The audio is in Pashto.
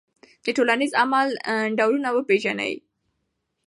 د ټولنیز عمل ډولونه وپېژنئ.